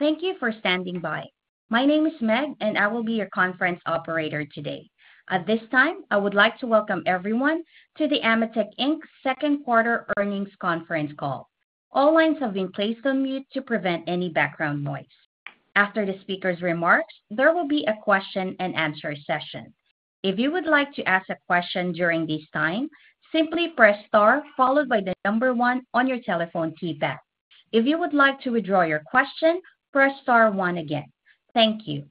Thank you for standing by. My name is Meg, and I will be your conference operator today. At this time, I would like to welcome everyone to the AMETEK Inc. Second Quarter Earnings Conference Call. All lines have been placed on mute to prevent any background noise. After the speaker's remarks, there will be a question-and-answer session. If you would like to ask a question during this time, simply press star followed by the number one on your telephone keypad. If you would like to withdraw your question, press star one again. Thank you.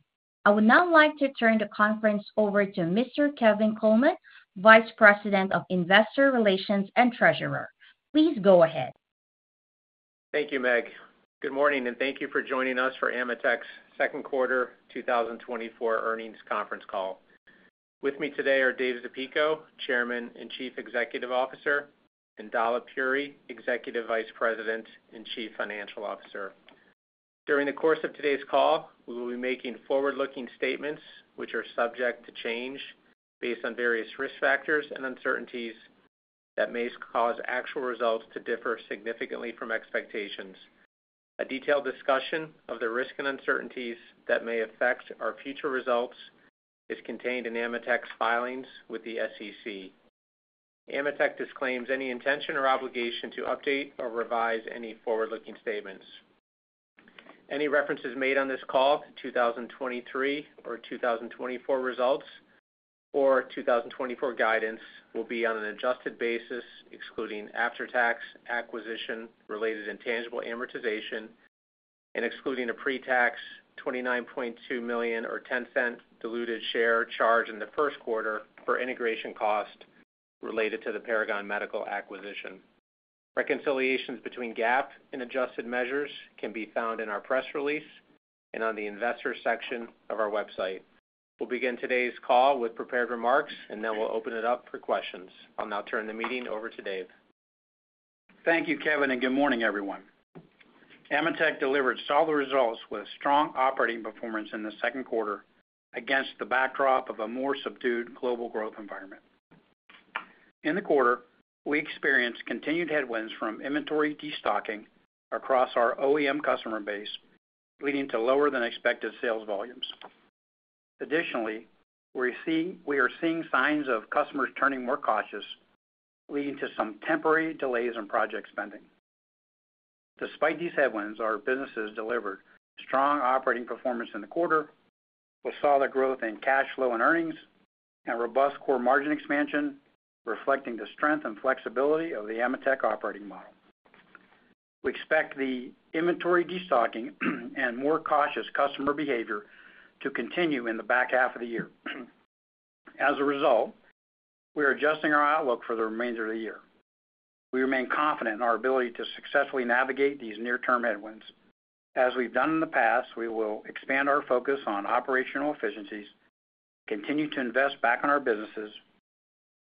I would now like to turn the conference over to Mr. Kevin Coleman, Vice President of Investor Relations and Treasurer. Please go ahead. Thank you, Meg. Good morning, and thank you for joining us for AMETEK's second quarter 2024 earnings conference call. With me today are Dave Zapico, Chairman and Chief Executive Officer, and Dalip Puri, Executive Vice President and Chief Financial Officer. During the course of today's call, we will be making forward-looking statements, which are subject to change based on various risk factors and uncertainties that may cause actual results to differ significantly from expectations. A detailed discussion of the risk and uncertainties that may affect our future results is contained in AMETEK's filings with the SEC. AMETEK disclaims any intention or obligation to update or revise any forward-looking statements. Any references made on this call to 2023 or 2024 results, or 2024 guidance will be on an adjusted basis, excluding after-tax, acquisition-related intangible amortization, and excluding a pre-tax $29.2 million or $0.10 diluted share charge in the first quarter for integration cost related to the Paragon Medical acquisition. Reconciliations between GAAP and adjusted measures can be found in our press release and on the investor section of our website. We'll begin today's call with prepared remarks, and then we'll open it up for questions. I'll now turn the meeting over to Dave. Thank you, Kevin, and good morning, everyone. AMETEK delivered solid results with strong operating performance in the second quarter against the backdrop of a more subdued global growth environment. In the quarter, we experienced continued headwinds from inventory destocking across our OEM customer base, leading to lower than expected sales volumes. Additionally, we are seeing signs of customers turning more cautious, leading to some temporary delays in project spending. Despite these headwinds, our businesses delivered strong operating performance in the quarter, with solid growth in cash flow and earnings and robust core margin expansion, reflecting the strength and flexibility of the AMETEK operating model. We expect the inventory destocking, and more cautious customer behavior to continue in the back half of the year. As a result, we are adjusting our outlook for the remainder of the year. We remain confident in our ability to successfully navigate these near-term headwinds. As we've done in the past, we will expand our focus on operational efficiencies, continue to invest back on our businesses,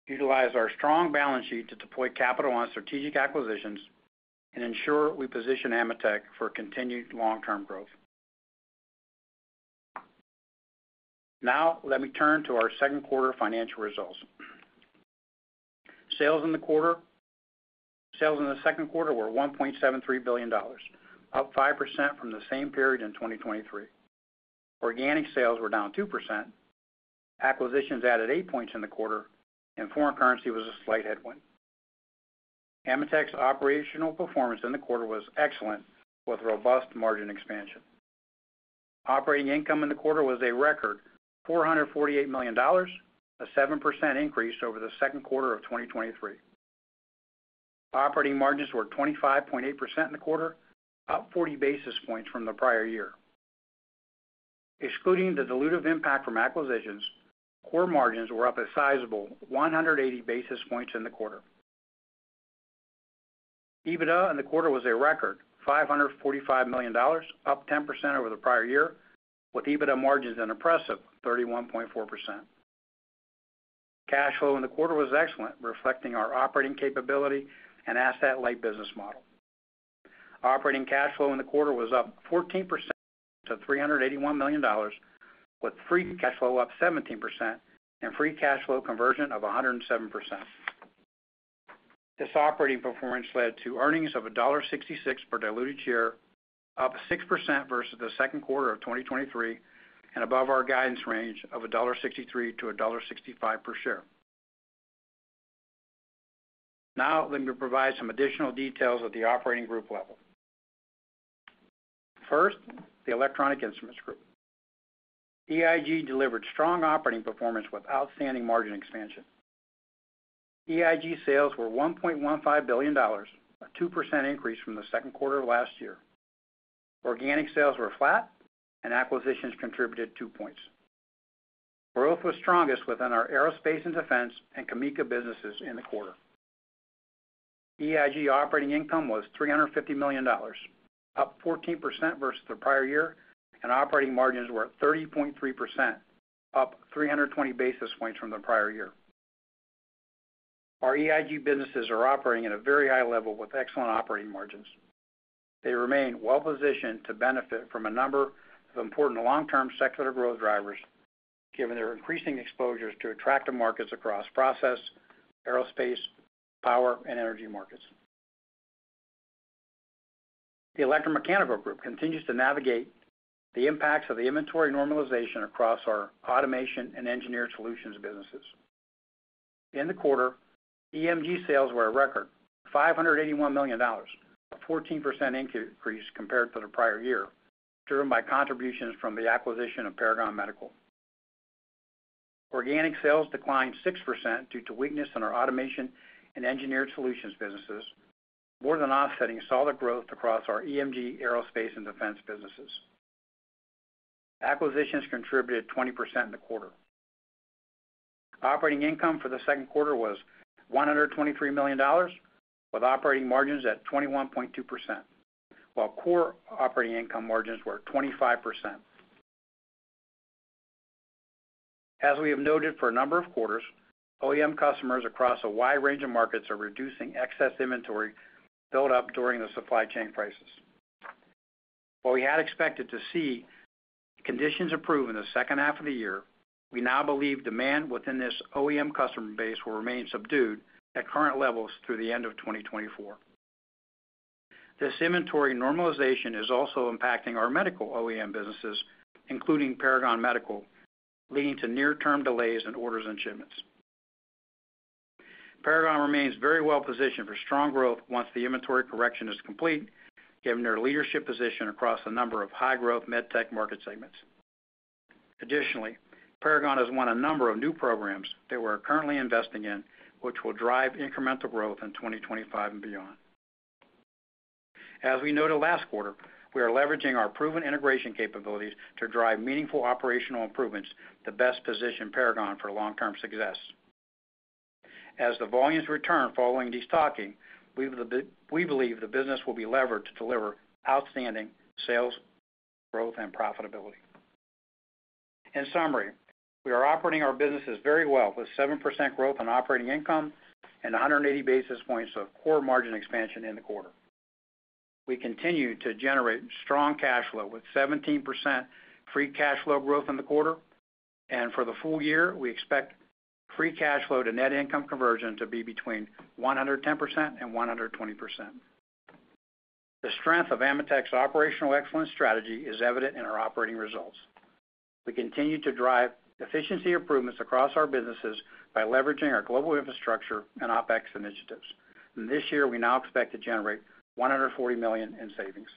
utilize our strong balance sheet to deploy capital on strategic acquisitions, and ensure we position AMETEK for continued long-term growth. Now, let me turn to our second quarter financial results. Sales in the quarter, sales in the second quarter were $1.73 billion, up 5% from the same period in 2023. Organic sales were down 2%. Acquisitions added 8 points in the quarter, and foreign currency was a slight headwind. AMETEK's operational performance in the quarter was excellent, with robust margin expansion. Operating income in the quarter was a record $448 million, a 7% increase over the second quarter of 2023. Operating margins were 25.8% in the quarter, up 40 basis points from the prior year. Excluding the dilutive impact from acquisitions, core margins were up a sizable 180 basis points in the quarter. EBITDA in the quarter was a record $545 million, up 10% over the prior year, with EBITDA margins an impressive 31.4%. Cash flow in the quarter was excellent, reflecting our operating capability and asset-light business model. Operating cash flow in the quarter was up 14% to $381 million, with free cash flow up 17% and free cash flow conversion of 107%. This operating performance led to earnings of $1.66 per diluted share, up 6% versus the second quarter of 2023, and above our guidance range of $1.63-$1.65 per share. Now, let me provide some additional details at the operating group level. First, the Electronic Instruments Group. EIG delivered strong operating performance with outstanding margin expansion. EIG sales were $1.15 billion, a 2% increase from the second quarter of last year. Organic sales were flat, and acquisitions contributed two points. Growth was strongest within our Aerospace and Defense and CAMECA businesses in the quarter. EIG operating income was $350 million, up 14% versus the prior year, and operating margins were at 30.3%, up 320 basis points from the prior year. Our EIG businesses are operating at a very high level with excellent operating margins. They remain well-positioned to benefit from a number of important long-term secular growth drivers,... given their increasing exposures to attractive markets across process, aerospace, power, and energy markets. The Electromechanical Group continues to navigate the impacts of the inventory normalization across our Automation and Engineered Solutions businesses. In the quarter, EMG sales were a record $581 million, a 14% increase compared to the prior year, driven by contributions from the acquisition of Paragon Medical. Organic sales declined 6% due to weakness in our Automation and Engineered Solutions businesses, more than offsetting solid growth across our EMG, aerospace, and defense businesses. Acquisitions contributed 20% in the quarter. Operating income for the second quarter was $123 million, with operating margins at 21.2%, while core operating income margins were 25%. As we have noted for a number of quarters, OEM customers across a wide range of markets are reducing excess inventory built up during the supply chain crisis. While we had expected to see conditions improve in the second half of the year, we now believe demand within this OEM customer base will remain subdued at current levels through the end of 2024. This inventory normalization is also impacting our medical OEM businesses, including Paragon Medical, leading to near-term delays in orders and shipments. Paragon remains very well positioned for strong growth once the inventory correction is complete, given their leadership position across a number of high-growth MedTech market segments. Additionally, Paragon has won a number of new programs that we're currently investing in, which will drive incremental growth in 2025 and beyond. As we noted last quarter, we are leveraging our proven integration capabilities to drive meaningful operational improvements to best position Paragon for long-term success. As the volumes return following destocking, we believe the business will be levered to deliver outstanding sales growth and profitability. In summary, we are operating our businesses very well, with 7% growth in operating income and 180 basis points of core margin expansion in the quarter. We continue to generate strong cash flow, with 17% free cash flow growth in the quarter, and for the full year, we expect free cash flow to net income conversion to be between 110% and 120%. The strength of AMETEK's operational excellence strategy is evident in our operating results. We continue to drive efficiency improvements across our businesses by leveraging our global infrastructure and OpEx initiatives. This year, we now expect to generate $140 million in savings.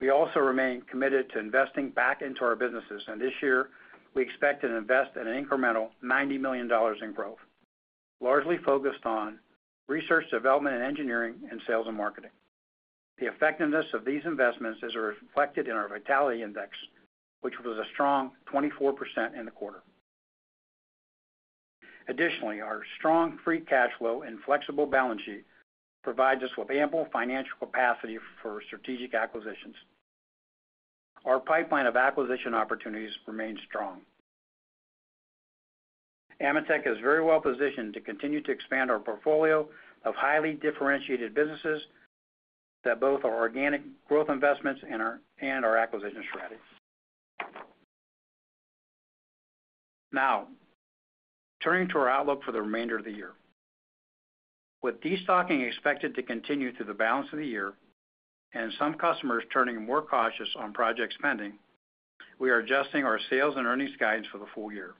We also remain committed to investing back into our businesses, and this year, we expect to invest an incremental $90 million in growth, largely focused on research, development, and engineering, and sales and marketing. The effectiveness of these investments is reflected in our Vitality Index, which was a strong 24% in the quarter. Additionally, our strong Free Cash Flow and flexible balance sheet provides us with ample financial capacity for strategic acquisitions. Our pipeline of acquisition opportunities remains strong. AMETEK is very well positioned to continue to expand our portfolio of highly differentiated businesses that both our organic growth investments and our, and our acquisition strategy. Now, turning to our outlook for the remainder of the year. With destocking expected to continue through the balance of the year, and some customers turning more cautious on project spending, we are adjusting our sales and earnings guidance for the full year.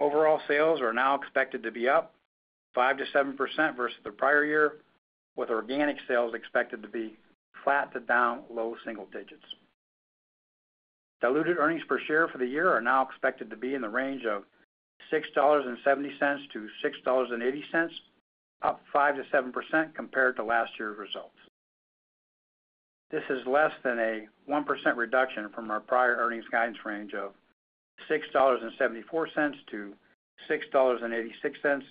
Overall, sales are now expected to be up 5%-7% versus the prior year, with organic sales expected to be flat to down low single digits. Diluted earnings per share for the year are now expected to be in the range of $6.70-$6.80, up 5%-7% compared to last year's results. This is less than a 1% reduction from our prior earnings guidance range of $6.74-$6.86,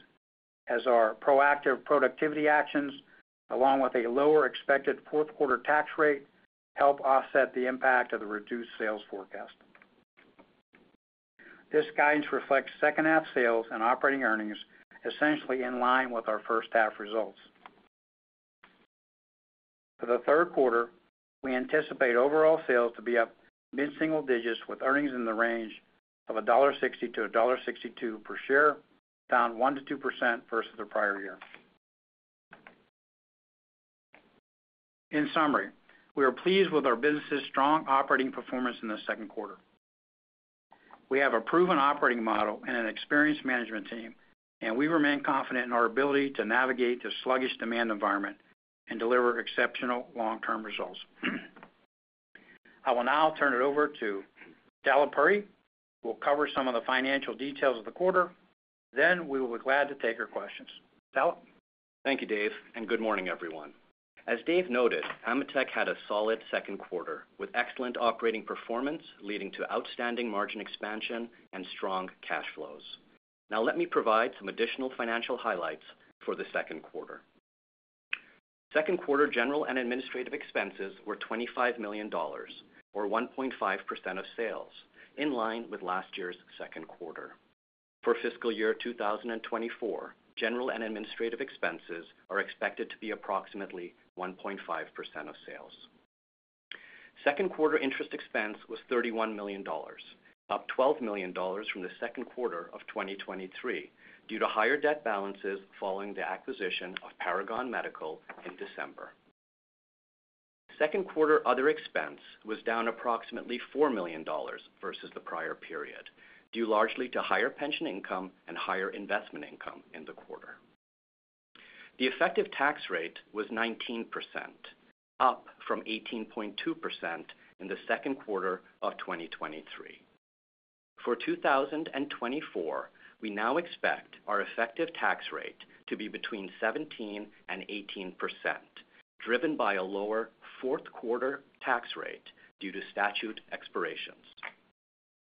as our proactive productivity actions, along with a lower expected fourth quarter tax rate, help offset the impact of the reduced sales forecast. This guidance reflects second half sales and operating earnings, essentially in line with our first half results. For the third quarter, we anticipate overall sales to be up mid-single digits, with earnings in the range of $1.60-$1.62 per share, down 1%-2% versus the prior year. In summary, we are pleased with our business' strong operating performance in the second quarter. We have a proven operating model and an experienced management team, and we remain confident in our ability to navigate the sluggish demand environment and deliver exceptional long-term results. I will now turn it over to Dalip Puri, who will cover some of the financial details of the quarter. Then, we will be glad to take your questions. Dalip? Thank you, Dave, and good morning, everyone. As Dave noted, AMETEK had a solid second quarter, with excellent operating performance, leading to outstanding margin expansion and strong cash flows. Now, let me provide some additional financial highlights for the second quarter. Second quarter general and administrative expenses were $25 million, or 1.5% of sales, in line with last year's second quarter. For fiscal year 2024, general and administrative expenses are expected to be approximately 1.5% of sales. Second quarter interest expense was $31 million, up $12 million from the second quarter of 2023, due to higher debt balances following the acquisition of Paragon Medical in December. Second quarter other expense was down approximately $4 million versus the prior period, due largely to higher pension income and higher investment income in the quarter. The effective tax rate was 19%, up from 18.2% in the second quarter of 2023. For 2024, we now expect our effective tax rate to be between 17%-18%, driven by a lower fourth quarter tax rate due to statute expirations.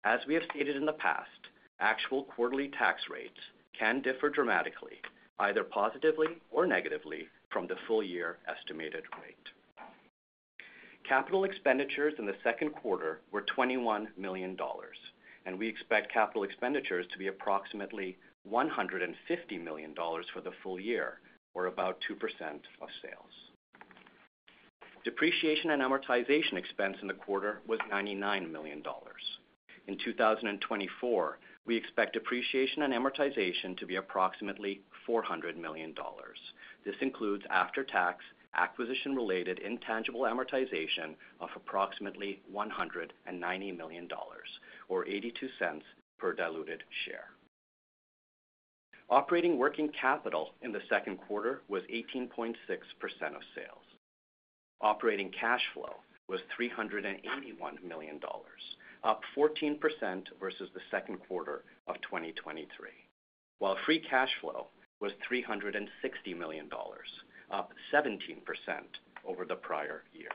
As we have stated in the past, actual quarterly tax rates can differ dramatically, either positively or negatively, from the full year estimated rate. Capital expenditures in the second quarter were $21 million, and we expect capital expenditures to be approximately $150 million for the full year, or about 2% of sales. Depreciation and amortization expense in the quarter was $99 million. In 2024, we expect depreciation and amortization to be approximately $400 million. This includes after-tax, acquisition-related intangible amortization of approximately $190 million, or $0.82 per diluted share. Operating working capital in the second quarter was 18.6% of sales. Operating cash flow was $381 million, up 14% versus the second quarter of 2023, while free cash flow was $360 million, up 17% over the prior year.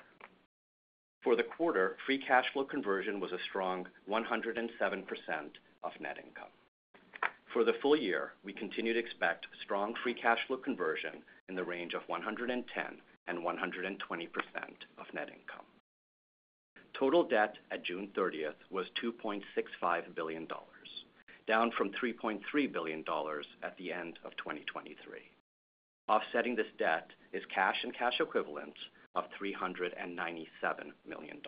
For the quarter, free cash flow conversion was a strong 107% of net income. For the full year, we continue to expect strong free cash flow conversion in the range of 110%-120% of net income. Total debt at June 30 was $2.65 billion, down from $3.3 billion at the end of 2023. Offsetting this debt is cash and cash equivalents of $397 million.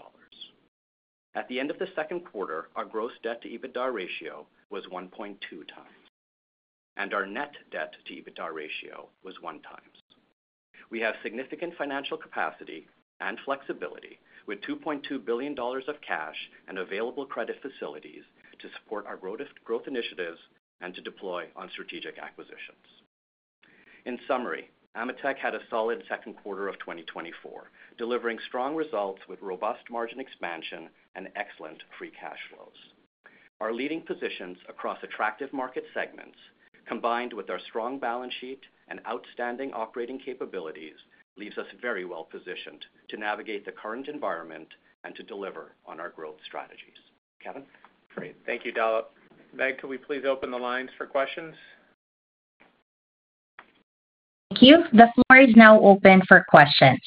At the end of the second quarter, our gross debt to EBITDA ratio was 1.2x, and our net debt to EBITDA ratio was 1x. We have significant financial capacity and flexibility, with $2.2 billion of cash and available credit facilities to support our growth, growth initiatives and to deploy on strategic acquisitions. In summary, AMETEK had a solid second quarter of 2024, delivering strong results with robust margin expansion and excellent free cash flows. Our leading positions across attractive market segments, combined with our strong balance sheet and outstanding operating capabilities, leaves us very well positioned to navigate the current environment and to deliver on our growth strategies. Kevin? Great. Thank you, Dalip. Meg, could we please open the lines for questions? Thank you. The floor is now open for questions.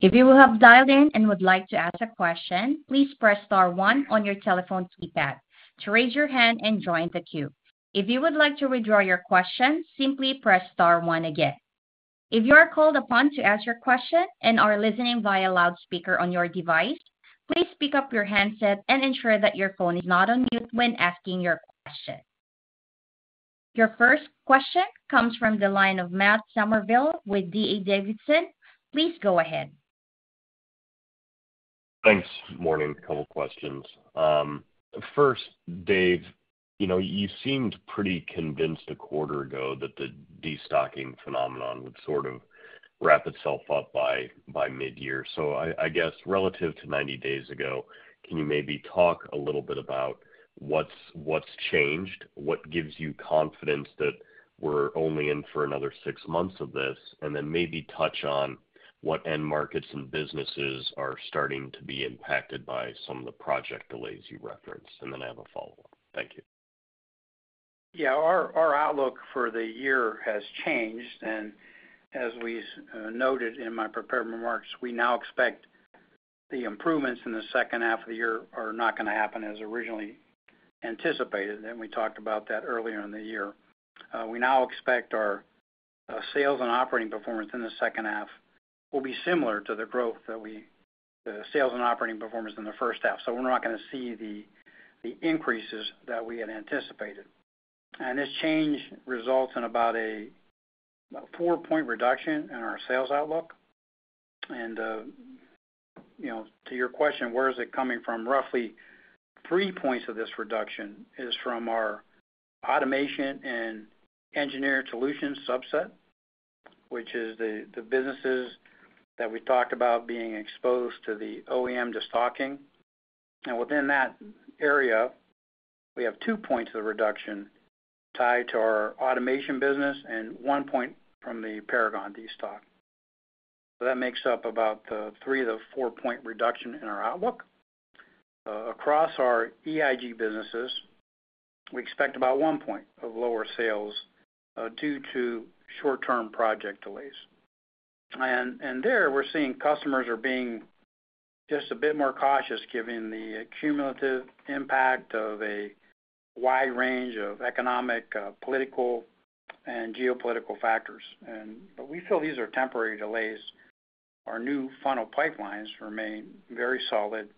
If you have dialed in and would like to ask a question, please press star one on your telephone keypad to raise your hand and join the queue. If you would like to withdraw your question, simply press star one again. If you are called upon to ask your question and are listening via loudspeaker on your device, please pick up your handset and ensure that your phone is not on mute when asking your question. Your first question comes from the line of Matt Somerville with D.A. Davidson. Please go ahead. Thanks. Morning. A couple questions. First, Dave, you know, you seemed pretty convinced a quarter ago that the destocking phenomenon would sort of wrap itself up by, by midyear. So I, I guess, relative to 90 days ago, can you maybe talk a little bit about what's, what's changed? What gives you confidence that we're only in for another six months of this? And then maybe touch on what end markets and businesses are starting to be impacted by some of the project delays you referenced, and then I have a follow-up. Thank you. Yeah, our outlook for the year has changed, and as we noted in my prepared remarks, we now expect the improvements in the second half of the year are not gonna happen as originally anticipated, and we talked about that earlier in the year. We now expect our sales and operating performance in the second half will be similar to the growth that we, the sales and operating performance in the first half. So we're not gonna see the increases that we had anticipated. And this change results in about a 4-point reduction in our sales outlook. And you know, to your question, where is it coming from? Roughly 3 points of this reduction is from our automation and engineering solutions subset, which is the businesses that we talked about being exposed to the OEM destocking. And within that area, we have 2 points of the reduction tied to our automation business and 1 point from the Paragon destock. So that makes up about the 3-4 point reduction in our outlook. Across our EIG businesses, we expect about 1 point of lower sales due to short-term project delays. And there we're seeing customers are being just a bit more cautious, given the cumulative impact of a wide range of economic, political and geopolitical factors. And, but we feel these are temporary delays. Our new funnel pipelines remain very solid.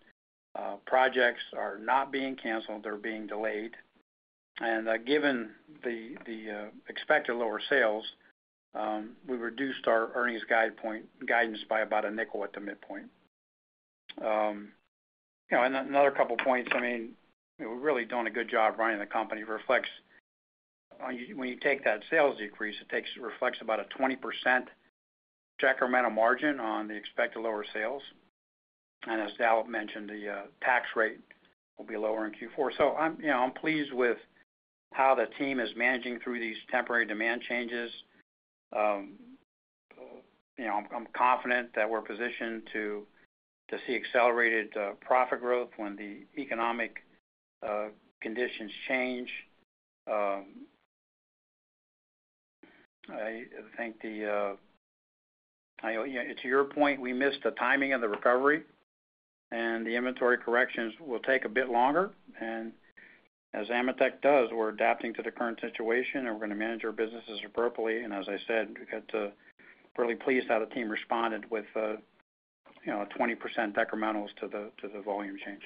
Projects are not being canceled, they're being delayed. And given the expected lower sales, we reduced our earnings guidance by about a nickel at the midpoint. You know, and another couple of points, I mean, we're really doing a good job running the company. When you take that sales decrease, it reflects about a 20% incremental margin on the expected lower sales. And as Dalip mentioned, the tax rate will be lower in Q4. So, you know, I'm pleased with how the team is managing through these temporary demand changes. You know, I'm confident that we're positioned to see accelerated profit growth when the economic conditions change. I think, you know, to your point, we missed the timing of the recovery, and the inventory corrections will take a bit longer. And as AMETEK does, we're adapting to the current situation, and we're going to manage our businesses appropriately. As I said, we got really pleased how the team responded with, you know, a 20% incrementals to the volume change.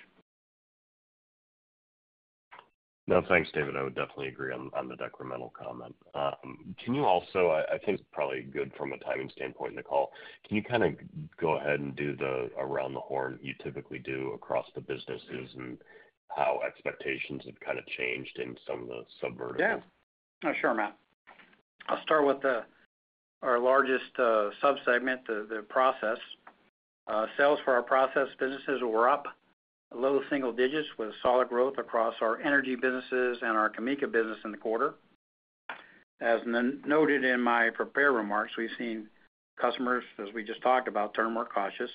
No, thanks, David. I would definitely agree on the decremental comment. Can you also, I think it's probably good from a timing standpoint in the call, can you kind of go ahead and do the around the horn you typically do across the businesses, and how expectations have kind of changed in some of the sub-verticals? Yeah. Sure, Matt. I'll start with our largest subsegment, the process. Sales for our process businesses were up low single digits, with solid growth across our energy businesses and our CAMECA business in the quarter. As noted in my prepared remarks, we've seen customers, as we just talked about, turn more cautious.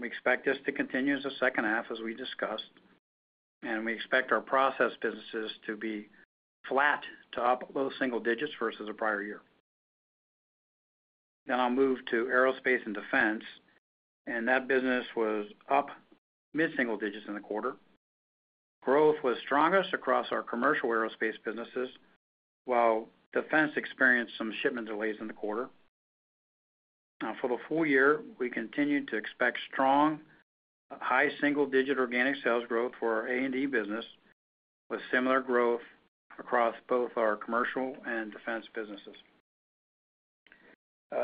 We expect this to continue as the second half, as we discussed, and we expect our process businesses to be flat to up low single digits versus the prior year. Now I'll move to aerospace and defense, and that business was up mid single digits in the quarter. Growth was strongest across our commercial aerospace businesses, while defense experienced some shipment delays in the quarter. Now, for the full year, we continue to expect strong, high single-digit organic sales growth for our A&D business, with similar growth across both our commercial and defense businesses.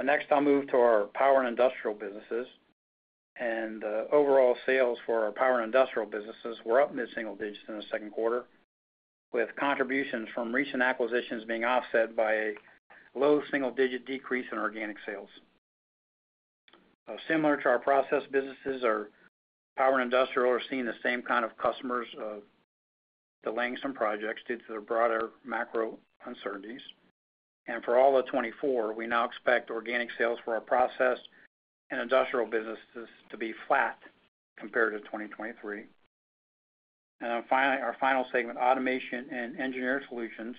Next, I'll move to our Power and Industrial businesses. Overall sales for our Power and Industrial businesses were up mid-single digits in the second quarter, with contributions from recent acquisitions being offset by a low single-digit decrease in organic sales. Similar to our process businesses, our Power and Industrial are seeing the same kind of customers delaying some projects due to the broader macro uncertainties. For all of 2024, we now expect organic sales for our process and industrial businesses to be flat compared to 2023. Then finally, our final segment, automation and engineering solutions.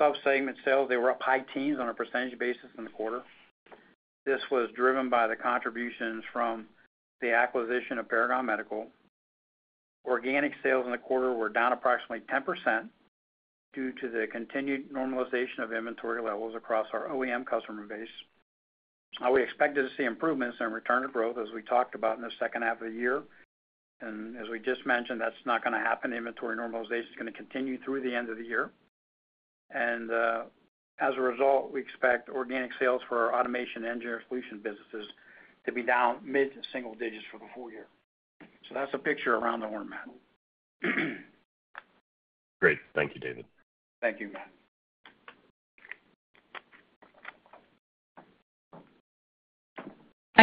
Subsegment sales, they were up high teens on a percentage basis in the quarter. This was driven by the contributions from the acquisition of Paragon Medical. Organic sales in the quarter were down approximately 10% due to the continued normalization of inventory levels across our OEM customer base. We expected to see improvements in return to growth, as we talked about in the second half of the year. As we just mentioned, that's not gonna happen. Inventory normalization is gonna continue through the end of the year. As a result, we expect organic sales for our automation and engineering solution businesses to be down mid-single digits for the full year. That's a picture around the horn, Matt. Great. Thank you, David. Thank you, Matt.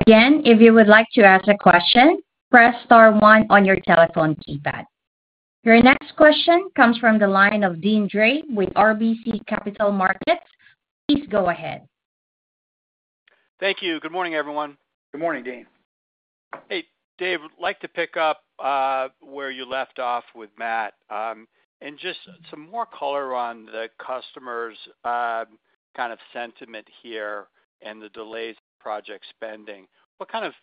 Again, if you would like to ask a question, press star one on your telephone keypad. Your next question comes from the line of Deane Dray with RBC Capital Markets. Please go ahead. Thank you. Good morning, everyone. Good morning, Deane. Hey, Dave, I'd like to pick up where you left off with Matt. And just some more color on the customers kind of sentiment here and the delays in project spending. What kind of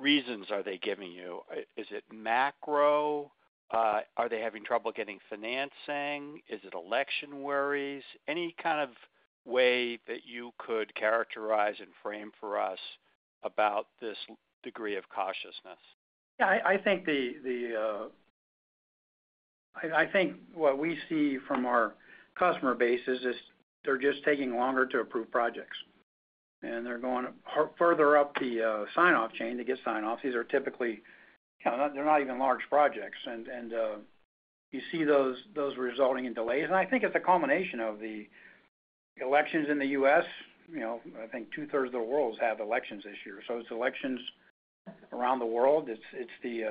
reasons are they giving you? Is it macro? Are they having trouble getting financing? Is it election worries? Any kind of way that you could characterize and frame for us about this degree of cautiousness? Yeah, I think what we see from our customer base is just, they're just taking longer to approve projects, and they're going further up the sign-off chain to get sign-offs. These are typically, you know, they're not even large projects, and you see those resulting in delays. And I think it's a combination of the elections in the U.S., you know, I think two-thirds of the world has elections this year. So it's elections around the world. It's the, you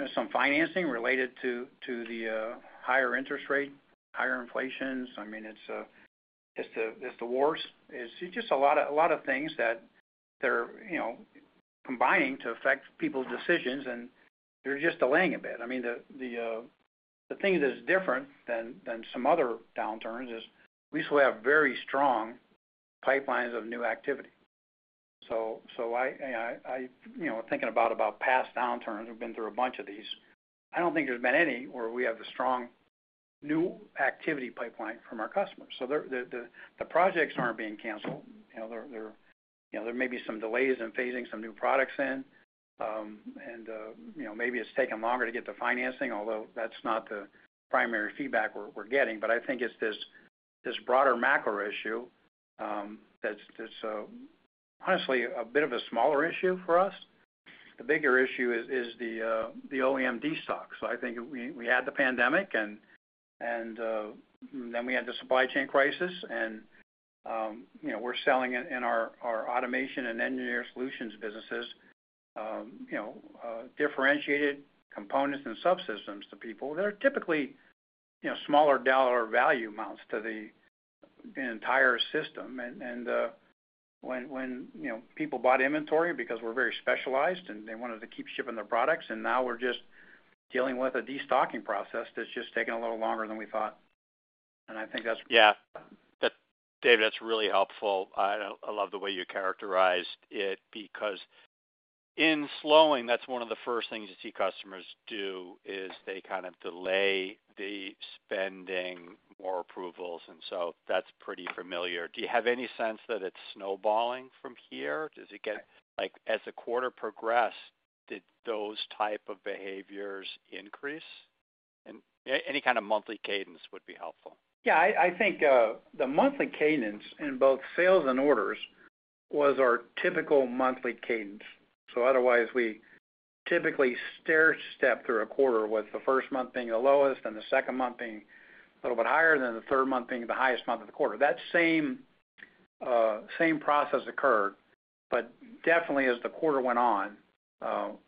know, some financing related to the higher interest rate, higher inflation. I mean, it's the wars. It's just a lot of things that they're, you know, combining to affect people's decisions, and they're just delaying a bit. I mean, the thing that is different than some other downturns is we still have very strong pipelines of new activity. So, I, you know, thinking about past downturns, we've been through a bunch of these. I don't think there's been any where we have the strong new activity pipeline from our customers. So the projects aren't being canceled. You know, they're, you know, there may be some delays in phasing some new products in. You know, maybe it's taking longer to get the financing, although that's not the primary feedback we're getting. But I think it's this broader macro issue that's honestly a bit of a smaller issue for us. The bigger issue is the OEM destock. So I think we had the pandemic and then we had the supply chain crisis, and you know, we're selling in our automation and engineered solutions businesses, you know, differentiated components and subsystems to people that are typically, you know, smaller dollar value amounts to the entire system. And when you know, people bought inventory because we're very specialized, and they wanted to keep shipping their products, and now we're just dealing with a destocking process that's just taking a little longer than we thought. And I think that's- Yeah. That, Dave, that's really helpful. I, I love the way you characterized it, because in slowing, that's one of the first things you see customers do, is they kind of delay the spending, more approvals, and so that's pretty familiar. Do you have any sense that it's snowballing from here? Does it get... Like, as the quarter progressed, did those type of behaviors increase? And any kind of monthly cadence would be helpful. Yeah, I think the monthly cadence in both sales and orders was our typical monthly cadence. So otherwise, we typically stair step through a quarter, with the first month being the lowest and the second month being a little bit higher, then the third month being the highest month of the quarter. That same process occurred, but definitely as the quarter went on,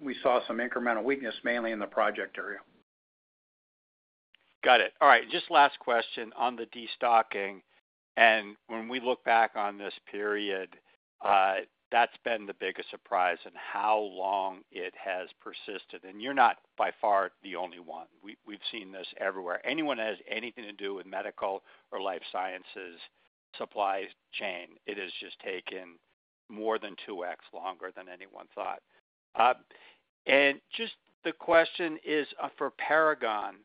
we saw some incremental weakness, mainly in the project area. Got it. All right, just last question on the destocking, and when we look back on this period, that's been the biggest surprise, and how long it has persisted. And you're not, by far, the only one. We've seen this everywhere. Anyone who has anything to do with medical or life sciences supply chain, it has just taken more than two X longer than anyone thought. And just the question is, for Paragon,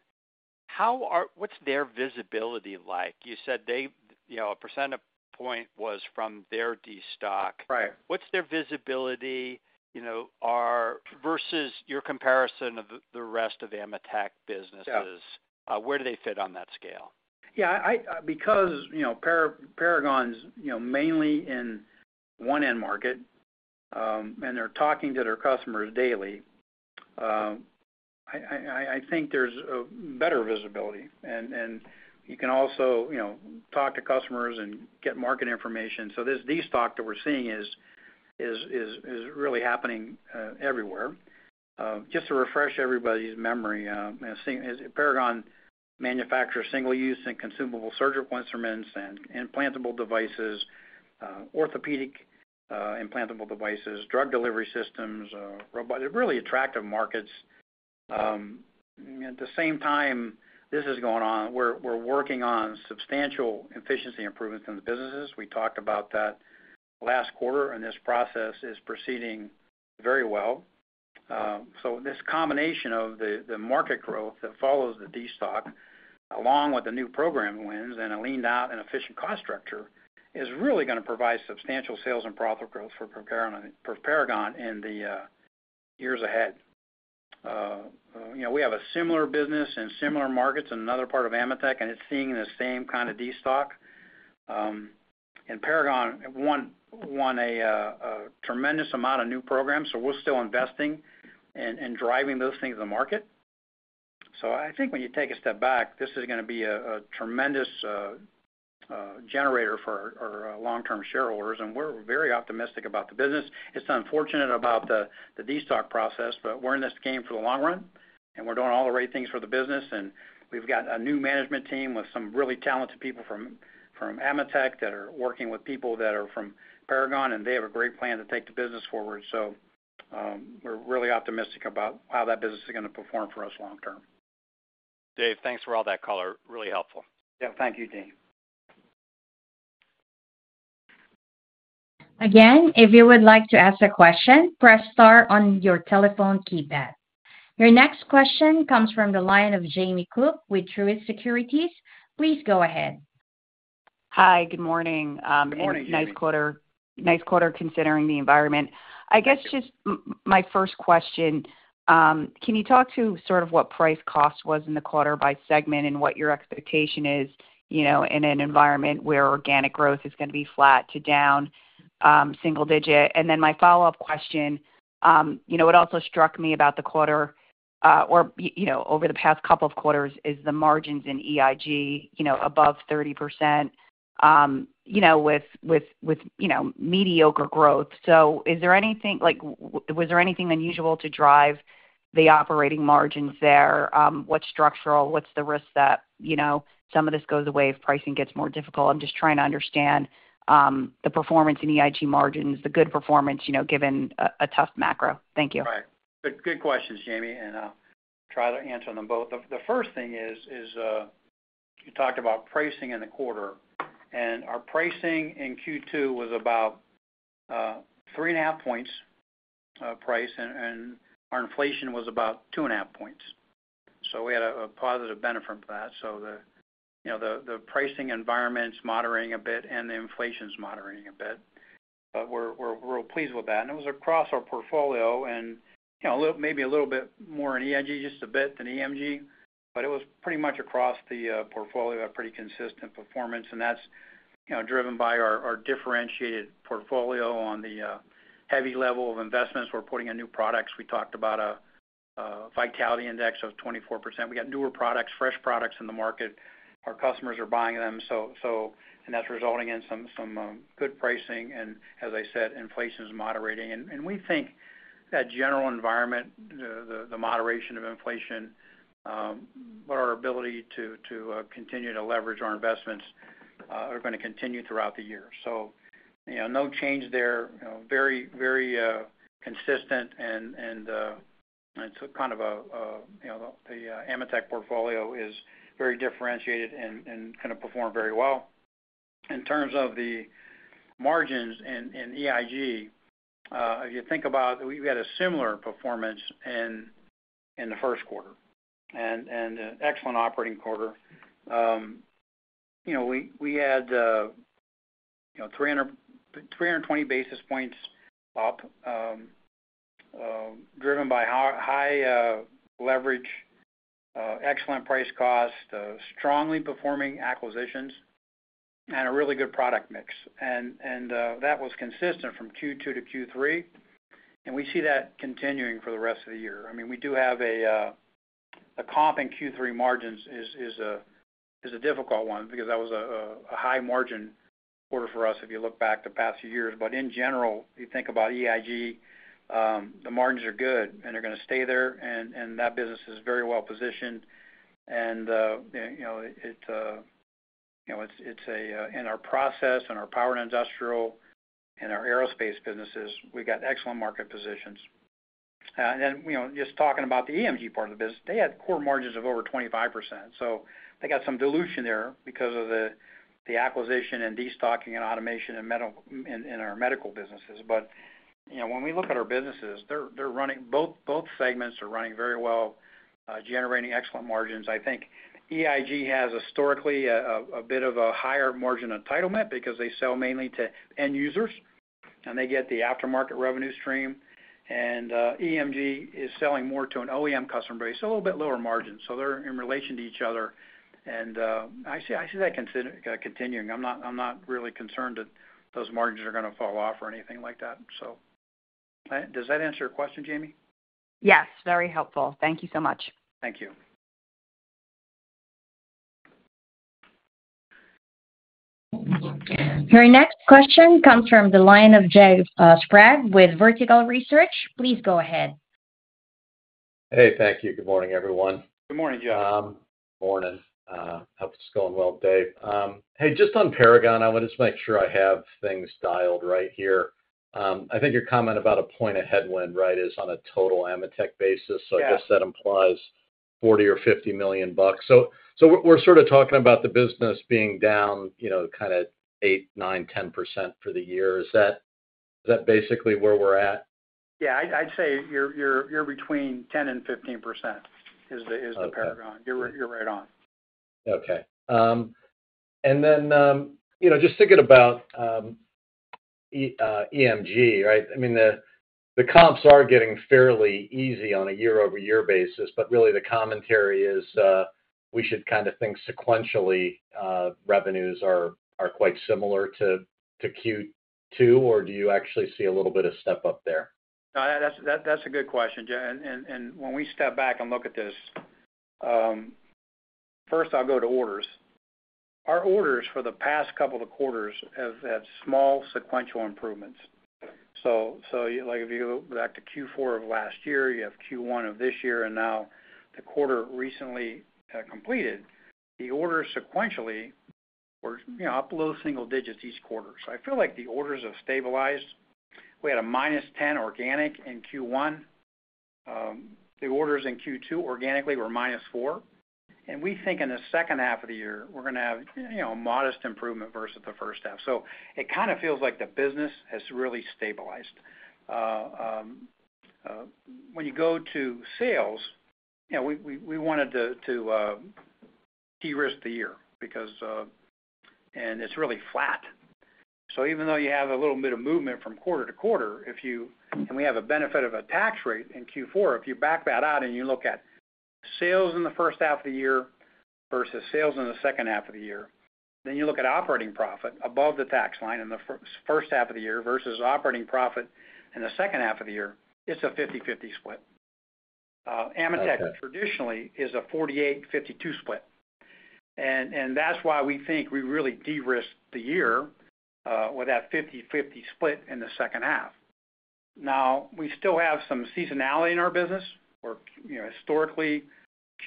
how are - what's their visibility like? You said they, you know, a percent of point was from their destock. Right. What's their visibility, you know, versus your comparison of the rest of the AMETEK businesses? Yeah. Where do they fit on that scale? Yeah, because, you know, Paragon's, you know, mainly in one end market, and they're talking to their customers daily, I think there's a better visibility. And you can also, you know, talk to customers and get market information. So this destocking that we're seeing is really happening everywhere. Just to refresh everybody's memory, as Paragon manufactures single-use and consumable surgical instruments and implantable devices, orthopedic implantable devices, drug delivery systems, they're really attractive markets. At the same time this is going on, we're working on substantial efficiency improvements in the businesses. We talked about that last quarter, and this process is proceeding very well. So this combination of the market growth that follows the destock, along with the new program wins and a leaned out and efficient cost structure, is really gonna provide substantial sales and profit growth for Paragon in the years ahead. You know, we have a similar business and similar markets in another part of AMETEK, and it's seeing the same kind of destock. And Paragon won a tremendous amount of new programs, so we're still investing and driving those things to the market. So I think when you take a step back, this is gonna be a tremendous generator for our long-term shareholders, and we're very optimistic about the business. It's unfortunate about the destock Process, but we're in this game for the long run, and we're doing all the right things for the business. And we've got a new management team with some really talented people from AMETEK that are working with people that are from Paragon, and they have a great plan to take the business forward. So, we're really optimistic about how that business is gonna perform for us long term. Dave, thanks for all that color. Really helpful. Yeah. Thank you, Dean. Again, if you would like to ask a question, press star on your telephone keypad. Your next question comes from the line of Jamie Cook with Truist Securities. Please go ahead. Hi, good morning. Good morning, Jamie. Nice quarter. Nice quarter, considering the environment. Thank you. I guess, just my first question, can you talk to sort of what price cost was in the quarter by segment and what your expectation is, you know, in an environment where organic growth is gonna be flat to down single digit? And then my follow-up question, you know, what also struck me about the quarter, or you know, over the past couple of quarters, is the margins in EIG, you know, above 30%, you know, with, with, with, you know, mediocre growth. So is there anything—like, was there anything unusual to drive the operating margins there? What's structural? What's the risk that, you know, some of this goes away if pricing gets more difficult? I'm just trying to understand the performance in EIG margins, the good performance, you know, given a tough macro. Thank you. Right. Good, good questions, Jamie, and try to answer them both. The first thing is you talked about pricing in the quarter, and our pricing in Q2 was about 3.5 points price, and our inflation was about 2.5 points. So we had a positive benefit from that. So, you know, the pricing environment's moderating a bit, and the inflation's moderating a bit. But we're pleased with that, and it was across our portfolio and, you know, a little maybe a little bit more in EIG, just a bit than EMG, but it was pretty much across the portfolio, a pretty consistent performance. And that's, you know, driven by our differentiated portfolio on the heavy level of investments. We're putting in new products. We talked about a Vitality Index of 24%. We got newer products, fresh products in the market. Our customers are buying them, and that's resulting in some good pricing. And as I said, inflation is moderating. And we think that general environment, the moderation of inflation, our ability to continue to leverage our investments are gonna continue throughout the year. So, you know, no change there, you know, very consistent and so kind of, you know, the AMETEK portfolio is very differentiated and kind of perform very well. In terms of the margins in EIG, if you think about, we've had a similar performance in the first quarter, and an excellent operating quarter. You know, we had 320 basis points up, driven by high leverage, excellent price cost, strongly performing acquisitions, and a really good product mix. And that was consistent from Q2 to Q3, and we see that continuing for the rest of the year. I mean, we do have a comp in Q3 margins is a difficult one because that was a high margin quarter for us, if you look back the past few years. But in general, you think about EIG, the margins are good, and they're gonna stay there, and that business is very well positioned. And you know, it you know, it's a... In our process, in our Power and Industrial, in our aerospace businesses, we've got excellent market positions. And, you know, just talking about the EMG part of the business, they had Core Margins of over 25%, so they got some dilution there because of the acquisition and destocking and automation in medical, in our medical businesses. But, you know, when we look at our businesses, they're running, both segments are running very well, generating excellent margins. I think EIG has historically a bit of a higher margin entitlement because they sell mainly to end users, and they get the aftermarket revenue stream. And, I see, I see that continuing. I'm not, I'm not really concerned that those margins are gonna fall off or anything like that. So, does that answer your question, Jamie? Yes, very helpful. Thank you so much. Thank you. Your next question comes from the line of Jeff Sprague with Vertical Research. Please go ahead. Hey, thank you. Good morning, everyone. Good morning, Jeff. Morning. Hope it's going well, Dave. Hey, just on Paragon, I want to just make sure I have things dialed right here. I think your comment about a point of headwind, right, is on a total AMETEK basis. Yeah. So I guess that implies $40 million or $50 million. So we're sort of talking about the business being down, you know, kind of 8%, 9%, 10% for the year. Is that basically where we're at? Yeah, I'd say you're between 10% and 15%. Okay... is the Paragon. You're right on. Okay. And then, you know, just thinking about EMG, right? I mean, the comps are getting fairly easy on a year-over-year basis, but really the commentary is, we should kind of think sequentially, revenues are quite similar to Q2, or do you actually see a little bit of step up there? No, that's a good question, Jeff. And when we step back and look at this, first, I'll go to orders. Our orders for the past couple of quarters have had small sequential improvements. So like if you go back to Q4 of last year, you have Q1 of this year, and now the quarter recently completed, the orders sequentially were, you know, up low single digits each quarter. So I feel like the orders have stabilized. We had a minus ten organic in Q1. The orders in Q2, organically, were minus four. And we think in the second half of the year, we're gonna have, you know, a modest improvement versus the first half. So it kind of feels like the business has really stabilized. When you go to sales, you know, we wanted to de-risk the year because it's really flat. So even though you have a little bit of movement from quarter to quarter, if you and we have a benefit of a tax rate in Q4, if you back that out and you look at sales in the first half of the year versus sales in the second half of the year, then you look at operating profit above the tax line in the first half of the year versus operating profit in the second half of the year, it's a 50/50 split. Okay. AMETEK, traditionally, is a 48/52 split. And that's why we think we really de-risked the year with that 50/50 split in the second half. Now, we still have some seasonality in our business. We're, you know, historically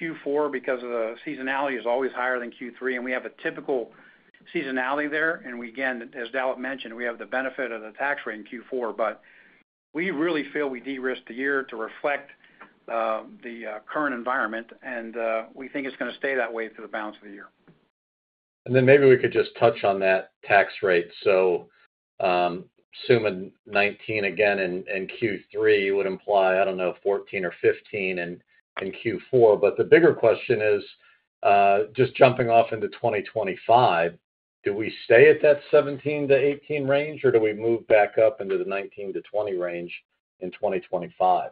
Q4, because of the seasonality, is always higher than Q3, and we have a typical seasonality there. And we again, as Dalip mentioned, we have the benefit of the tax rate in Q4, but we really feel we de-risked the year to reflect the current environment, and we think it's gonna stay that way through the balance of the year. And then maybe we could just touch on that tax rate. So, assuming 19% again in Q3 would imply, I don't know, 14% or 15% in Q4. But the bigger question is, just jumping off into 2025, do we stay at that 17%-18% range, or do we move back up into the 19%-20% range in 2025?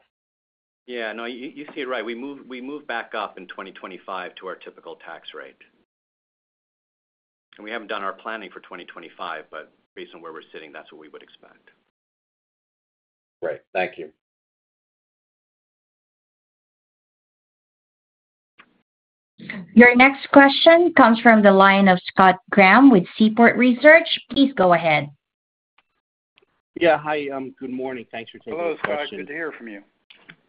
Yeah, no, you see it right. We move back up in 2025 to our typical tax rate. We haven't done our planning for 2025, but based on where we're sitting, that's what we would expect. Great. Thank you. Your next question comes from the line of Scott Graham with Seaport Research. Please go ahead. Yeah. Hi, good morning. Thanks for taking my question. Hello, Scott. Good to hear from you.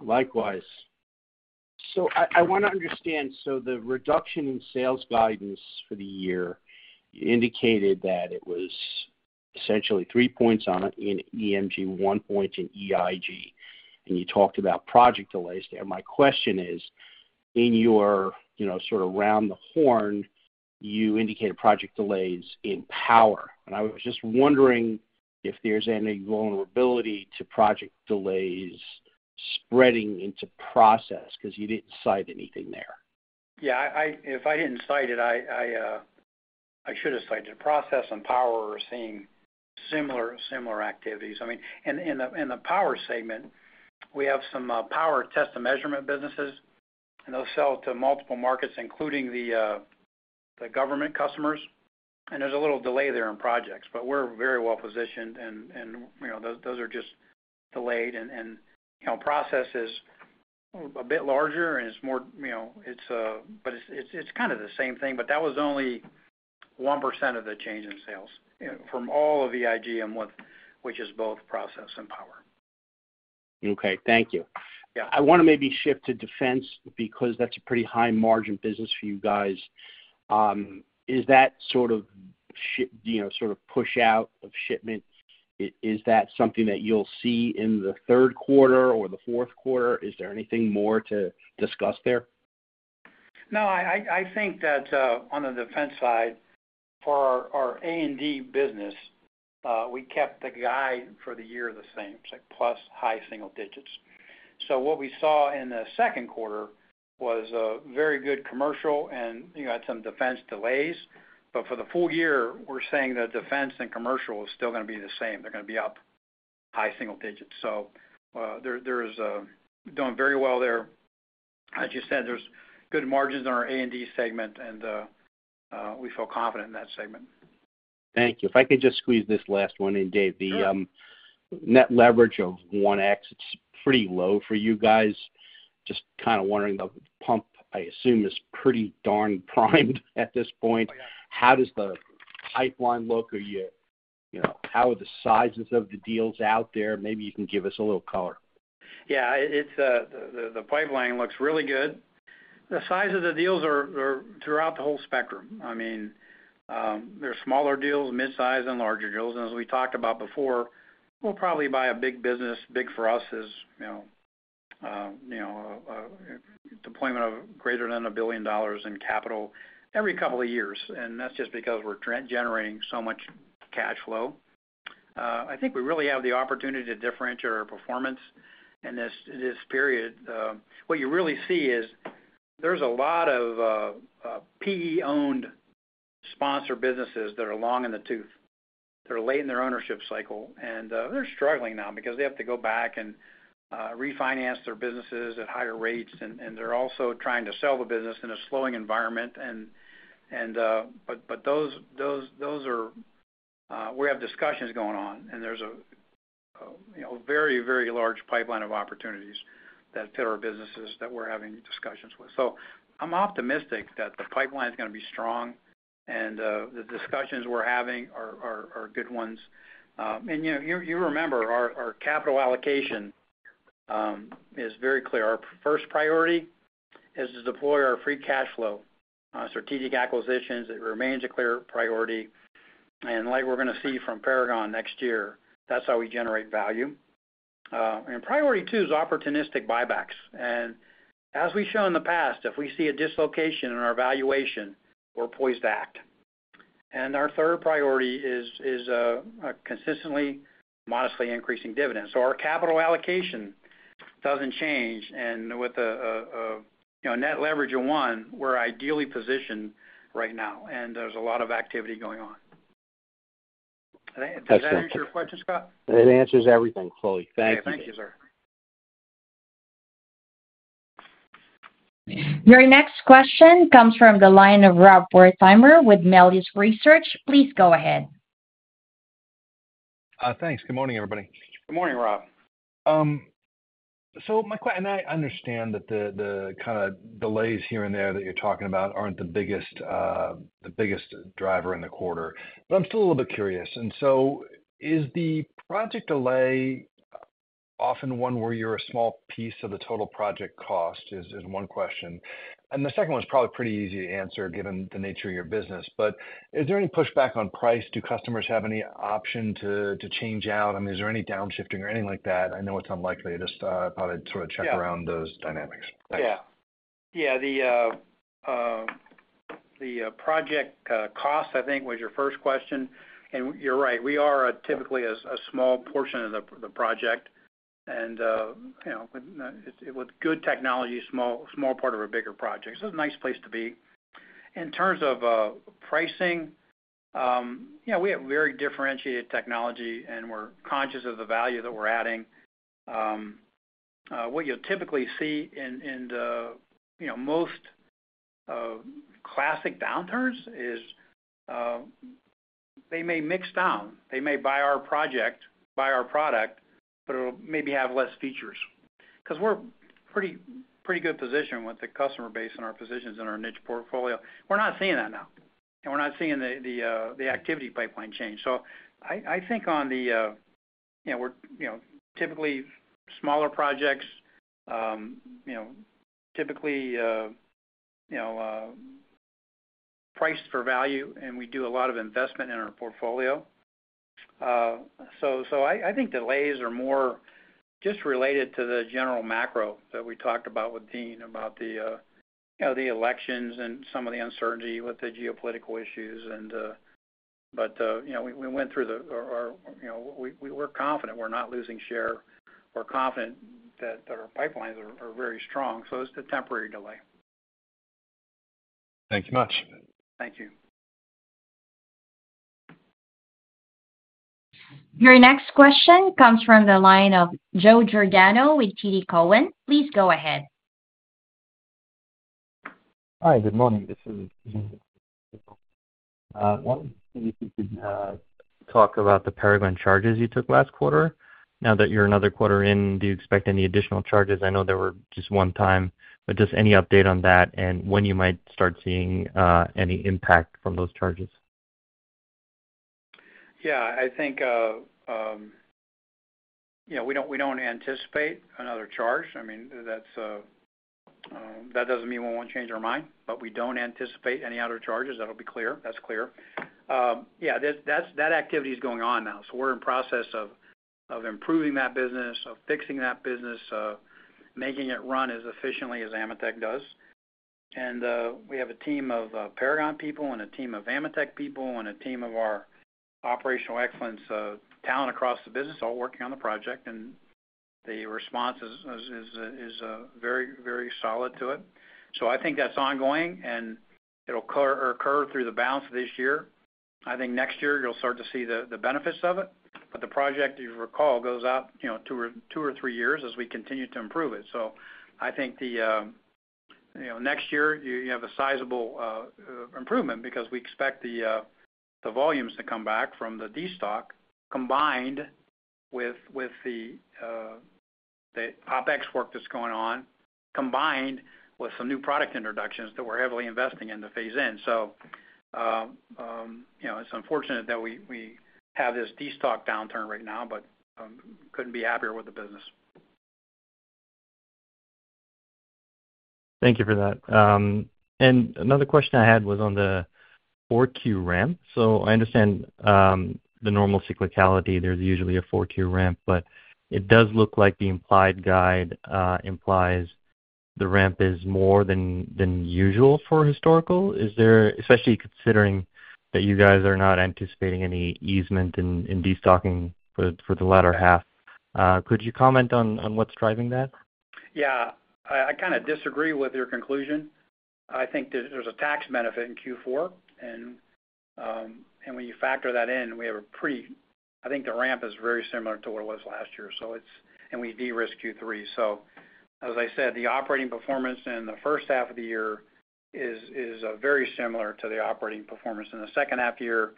Likewise. So I, I wanna understand, so the reduction in sales guidance for the year, you indicated that it was essentially 3 points on it in EMG, 1 point in EIG, and you talked about project delays there. My question is: in your, you know, sort of round the horn, you indicated project delays in power, and I was just wondering if there's any vulnerability to project delays spreading into process, 'cause you didn't cite anything there. Yeah, if I didn't cite it, I should have cited it. Process and power are seeing similar activities. I mean, in the power segment, we have some power test and measurement businesses, and those sell to multiple markets, including the government customers. And there's a little delay there in projects, but we're very well positioned, and you know, those are just delayed. And you know, process is a bit larger, and it's more, you know, but it's kind of the same thing, but that was only 1% of the change in sales, you know, from all of EIG, which is both process and power. Okay. Thank you. Yeah. I wanna maybe shift to defense because that's a pretty high-margin business for you guys. Is that sort of shipment, you know, sort of push out of shipments, is that something that you'll see in the third quarter or the fourth quarter? Is there anything more to discuss there? No, I think that on the defense side, for our A&D business, we kept the guide for the year the same, so plus high single digits. So what we saw in the second quarter was a very good commercial, and, you know, had some defense delays. But for the full year, we're saying that defense and commercial is still gonna be the same. They're gonna be up high single digits. So, they're doing very well there. As you said, there's good margins in our A&D segment, and we feel confident in that segment. Thank you. If I could just squeeze this last one in, Dave. Sure. The net leverage of 1x, it's pretty low for you guys. Just kind of wondering, the pump, I assume, is pretty darn primed at this point. Oh, yeah. How does the pipeline look? Are you, you know, how are the sizes of the deals out there? Maybe you can give us a little color. Yeah, it's the pipeline looks really good. The size of the deals are throughout the whole spectrum. I mean, there are smaller deals, midsize and larger deals. And as we talked about before, we'll probably buy a big business. Big for us is, you know, you know, deployment of greater than $1 billion in capital every couple of years, and that's just because we're generating so much cash flow. I think we really have the opportunity to differentiate our performance in this period. What you really see is there's a lot of PE-owned sponsor businesses that are long in the tooth. They're late in their ownership cycle, and they're struggling now because they have to go back and refinance their businesses at higher rates, and they're also trying to sell the business in a slowing environment. But those are... We have discussions going on, and there's a you know, very, very large pipeline of opportunities that fit our businesses that we're having discussions with. So I'm optimistic that the pipeline's gonna be strong, and the discussions we're having are good ones. And you know, you remember, our capital allocation is very clear. Our first priority is to deploy our free cash flow on strategic acquisitions. It remains a clear priority, and like we're gonna see from Paragon next year, that's how we generate value. And priority two is opportunistic buybacks. As we've shown in the past, if we see a dislocation in our valuation, we're poised to act. Our third priority is a consistently, modestly increasing dividend. Our capital allocation doesn't change, and with a, you know, net leverage of one, we're ideally positioned right now, and there's a lot of activity going on. Excellent. Does that answer your question, Scott? It answers everything fully. Thank you. Yeah. Thank you, sir. Your next question comes from the line of Rob Wertheimer with Melius Research. Please go ahead. Thanks. Good morning, everybody. Good morning, Rob. So, I understand that the kind of delays here and there that you're talking about aren't the biggest driver in the quarter, but I'm still a little bit curious. And so is the project delay-... often one where you're a small piece of the total project cost, is one question. And the second one is probably pretty easy to answer, given the nature of your business, but is there any pushback on price? Do customers have any option to, to change out? I mean, is there any downshifting or anything like that? I know it's unlikely. Just, probably to sort of check around those dynamics. Yeah. Yeah, the project cost, I think, was your first question, and you're right, we are typically a small portion of the project. And, you know, with good technology, small part of a bigger project. So it's a nice place to be. In terms of pricing, yeah, we have very differentiated technology, and we're conscious of the value that we're adding. What you'll typically see in the, you know, most classic downturns is, they may mix down. They may buy our project, buy our product, but it'll maybe have less features, 'cause we're pretty good position with the customer base and our positions in our niche portfolio. We're not seeing that now, and we're not seeing the activity pipeline change. So I, I think on the, you know, we're, you know, typically smaller projects, you know, typically, you know, priced for value, and we do a lot of investment in our portfolio. So, so I, I think delays are more just related to the general macro that we talked about with Dean, about the, you know, the elections and some of the uncertainty with the geopolitical issues and. But, you know, we, we went through the, or, or, you know, we, we're confident we're not losing share. We're confident that, that our pipelines are, are very strong, so it's a temporary delay. Thank you much. Thank you. Your next question comes from the line of Joe Giordano with TD Cowen. Please go ahead. Hi, good morning. This is Joe Giordano, wondering if you could talk about the Paragon charges you took last quarter. Now that you're another quarter in, do you expect any additional charges? I know they were just one time, but just any update on that, and when you might start seeing any impact from those charges? Yeah, I think, you know, we don't, we don't anticipate another charge. I mean, that's. That doesn't mean we won't change our mind, but we don't anticipate any other charges. That'll be clear. That's clear. Yeah, that activity is going on now. So we're in process of improving that business, of fixing that business, of making it run as efficiently as AMETEK does. And, we have a team of Paragon people and a team of AMETEK people and a team of our operational excellence talent across the business, all working on the project, and the response is very, very solid to it. So I think that's ongoing, and it'll occur through the balance of this year. I think next year you'll start to see the benefits of it, but the project, you recall, goes out, you know, two or three years as we continue to improve it. So I think, you know, next year you have a sizable improvement because we expect the volumes to come back from the destock, combined with the OpEx work that's going on, combined with some new product introductions that we're heavily investing in to phase in. So, you know, it's unfortunate that we have this destock downturn right now, but couldn't be happier with the business. Thank you for that. Another question I had was on the 4Q ramp. So I understand the normal cyclicality, there's usually a 4Q ramp, but it does look like the implied guide implies the ramp is more than usual for historical. Is there, especially considering that you guys are not anticipating any easing in destocking for the latter half, could you comment on what's driving that? Yeah. I kind of disagree with your conclusion. I think there's a tax benefit in Q4, and when you factor that in, we have a pre... I think the ramp is very similar to what it was last year, so it's, and we de-risked Q3. So as I said, the operating performance in the first half of the year is very similar to the operating performance in the second half of the year,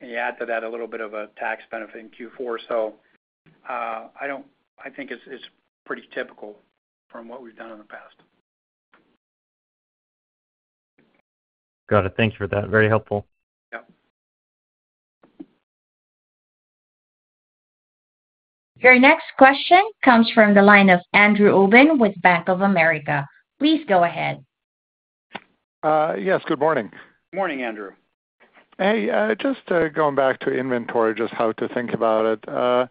and you add to that a little bit of a tax benefit in Q4. So, I don't. I think it's pretty typical from what we've done in the past. Got it. Thank you for that. Very helpful. Yep. Your next question comes from the line of Andrew Obin with Bank of America. Please go ahead. Yes, good morning. Morning, Andrew. Hey, just, going back to inventory, just how to think about it.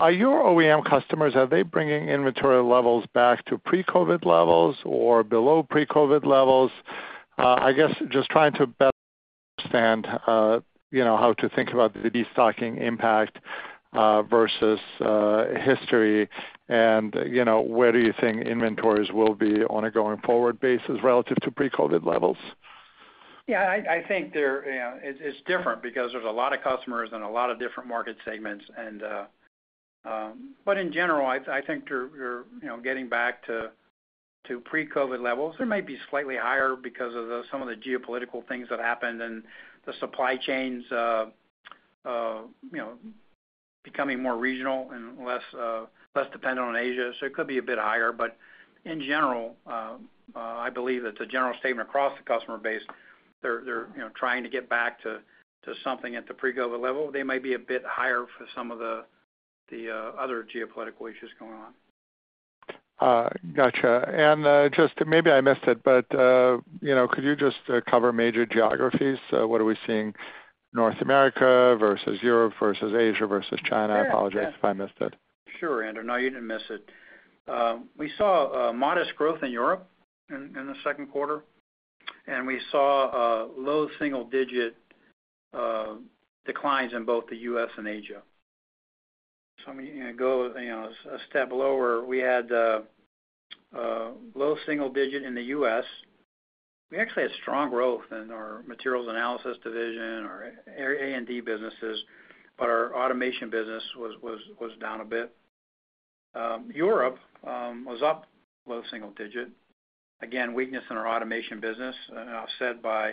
Are your OEM customers, are they bringing inventory levels back to pre-COVID levels or below pre-COVID levels? I guess just trying to better understand, you know, how to think about the destocking impact, versus, history. And, you know, where do you think inventories will be on a going forward basis relative to pre-COVID levels? Yeah, I think they're, you know, it's different because there's a lot of customers and a lot of different market segments. But in general, I think you're, you know, getting back to pre-COVID levels. It might be slightly higher because of some of the geopolitical things that happened and the supply chains, you know, becoming more regional and less dependent on Asia, so it could be a bit higher. But in general, I believe that the general statement across the customer base, they're, you know, trying to get back to something at the pre-COVID level. They may be a bit higher for some of the other geopolitical issues going on. ... Gotcha. And, just maybe I missed it, but, you know, could you just cover major geographies? So what are we seeing, North America versus Europe versus Asia versus China? I apologize if I missed it. Sure, Andrew. No, you didn't miss it. We saw a modest growth in Europe in the second quarter, and we saw low single digit declines in both the U.S. and Asia. So I mean, you go, you know, a step lower, we had a low single digit in the U.S. We actually had strong growth in our materials analysis division, our A&D businesses, but our automation business was down a bit. Europe was up low single digit. Again, weakness in our automation business offset by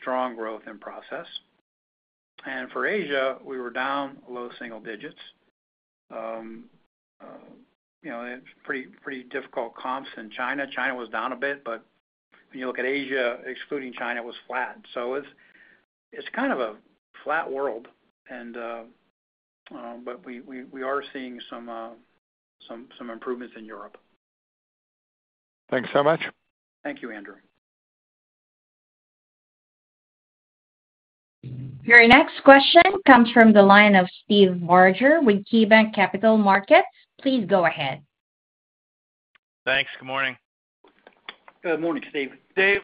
strong growth in process. And for Asia, we were down low single digits. You know, it's pretty difficult comps in China. China was down a bit, but when you look at Asia, excluding China, it was flat. So it's kind of a flat world, but we are seeing some improvements in Europe. Thanks so much. Thank you, Andrew. Your next question comes from the line of Steve Barger with KeyBanc Capital Markets. Please go ahead. Thanks. Good morning. Good morning, Steve. Dave,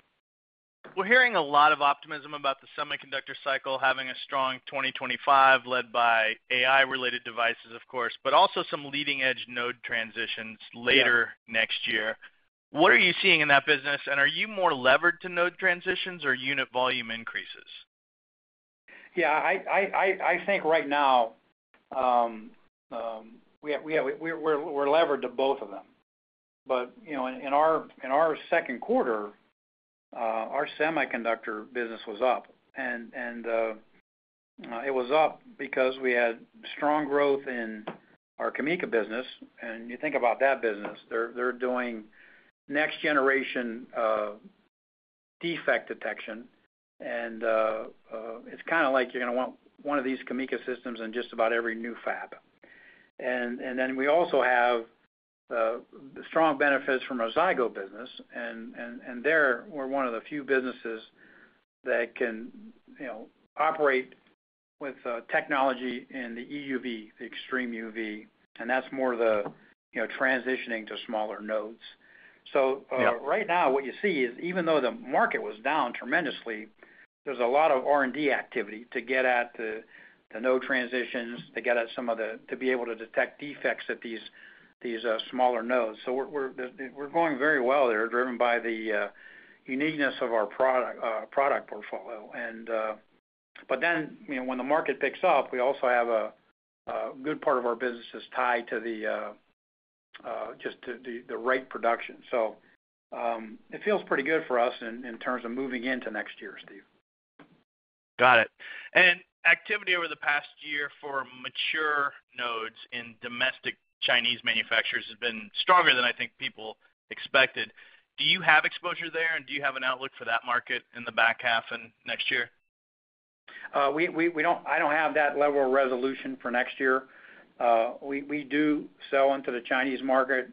we're hearing a lot of optimism about the semiconductor cycle having a strong 2025, led by AI-related devices, of course, but also some leading-edge node transitions later- Yeah next year. What are you seeing in that business, and are you more levered to node transitions or unit volume increases? Yeah, I think right now, we're levered to both of them. But, you know, in our second quarter, our semiconductor business was up, and it was up because we had strong growth in our CAMECA business, and you think about that business, they're doing next generation defect detection, and it's kind of like you're gonna want one of these CAMECA systems in just about every new fab. And then we also have strong benefits from our Zygo business, and there, we're one of the few businesses that can, you know, operate with technology in the EUV, the extreme UV, and that's more the, you know, transitioning to smaller nodes. Yeah. So, right now, what you see is, even though the market was down tremendously, there's a lot of R&D activity to get at the node transitions, to get at some of the—to be able to detect defects at these smaller nodes. So we're going very well there, driven by the uniqueness of our product portfolio. But then, you know, when the market picks up, we also have a good part of our business is tied to the just to the right production. So, it feels pretty good for us in terms of moving into next year, Steve. Got it. Activity over the past year for mature nodes in domestic Chinese manufacturers has been stronger than I think people expected. Do you have exposure there, and do you have an outlook for that market in the back half and next year? I don't have that level of resolution for next year. We do sell into the Chinese market.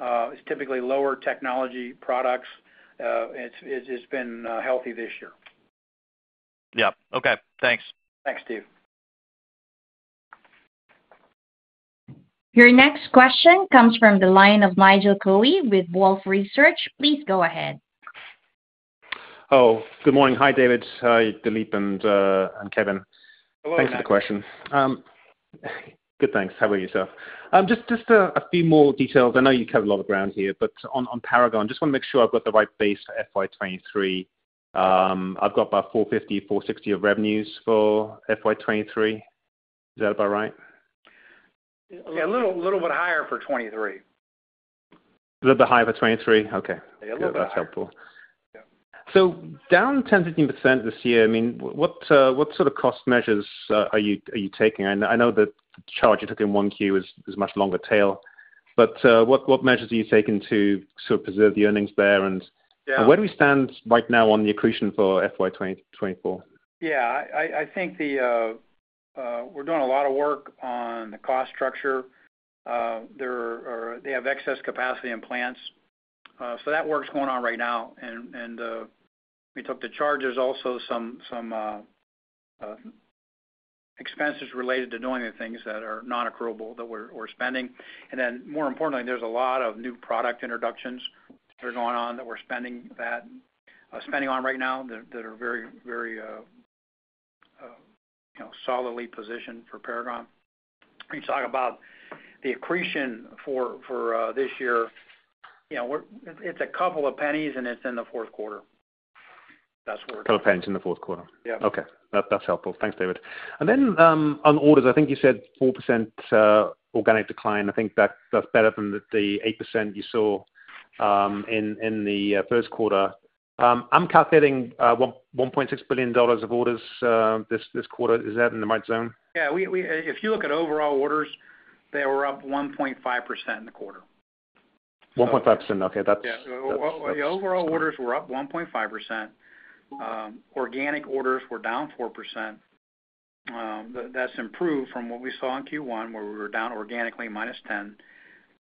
It's typically lower technology products. It's been healthy this year. Yeah. Okay, thanks. Thanks, Steve. Your next question comes from the line of Nigel Coe with Wolfe Research. Please go ahead. Oh, good morning. Hi, David. Hi, Dalip and, and Kevin. Hello, Nigel. Thanks for the question. Good, thanks. How about yourself? Just a few more details. I know you covered a lot of ground here, but on Paragon, just want to make sure I've got the right base for FY 2023. I've got about $450-$460 of revenues for FY 2023. Is that about right? Yeah, a little, little bit higher for 2023. Little bit higher for 2023? Okay. Yeah, a little bit higher. Yeah, that's helpful. Yeah. So down 10%-15% this year, I mean, what sort of cost measures are you taking? I know the charge you took in 1Q is much longer tail, but what measures are you taking to sort of preserve the earnings there? Yeah. Where do we stand right now on the accretion for FY 2024? Yeah, I think we're doing a lot of work on the cost structure. There are - they have excess capacity in plants, so that work's going on right now, and we took the charges, also some expenses related to doing the things that are non-accruable, that we're spending. And then, more importantly, there's a lot of new product introductions that are going on, that we're spending on right now, that are very, very, you know, solidly positioned for Paragon. You talk about the accretion for this year. You know, we're - it's a couple of pennies, and it's in the fourth quarter. That's where we're- A couple pennies in the fourth quarter. Yeah. Okay. That's helpful. Thanks, David. And then, on orders, I think you said 4% organic decline. I think that's better than the 8% you saw in the first quarter. I'm calculating $1.6 billion of orders this quarter. Is that in the right zone? Yeah, we, if you look at overall orders, they were up 1.5% in the quarter. 1.5%, okay, that's- Yeah. That's- The overall orders were up 1.5%. Organic orders were down 4%. That's improved from what we saw in Q1, where we were down organically -10%,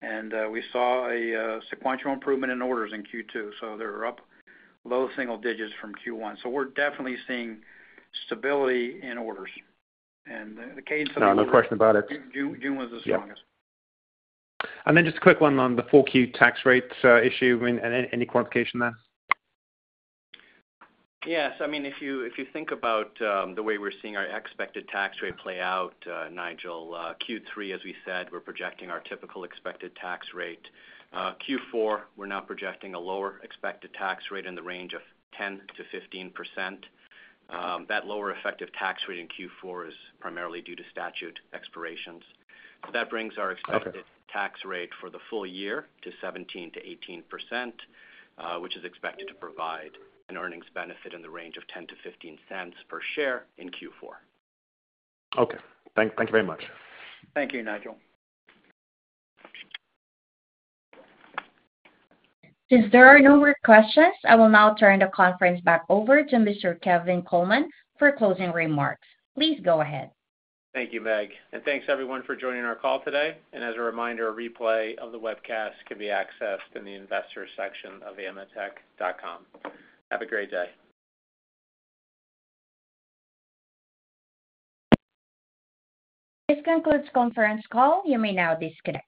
and we saw a sequential improvement in orders in Q2, so they were up low single digits from Q1. So we're definitely seeing stability in orders and the cadence- No, no question about it. June, June was the strongest. Yeah. And then just a quick one on the 4Q tax rates, issue, I mean, any quantification there? Yes. I mean, if you, if you think about the way we're seeing our expected tax rate play out, Nigel, Q3, as we said, we're projecting our typical expected tax rate. Q4, we're now projecting a lower expected tax rate in the range of 10%-15%. That lower effective tax rate in Q4 is primarily due to statute expirations. Okay. That brings our expected tax rate for the full year to 17%-18%, which is expected to provide an earnings benefit in the range of $0.10-$0.15 per share in Q4. Okay. Thank you very much. Thank you, Nigel. Since there are no more questions, I will now turn the conference back over to Mr. Kevin Coleman for closing remarks. Please go ahead. Thank you, Meg, and thanks everyone for joining our call today. As a reminder, a replay of the webcast can be accessed in the Investors section of AMETEK.com. Have a great day. This concludes conference call. You may now disconnect.